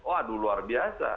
waduh luar biasa